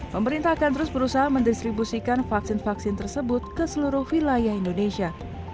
pemerintah akan terus berusaha mendistribusikan vaksin vaksin tersebut ke seluruh wilayah indonesia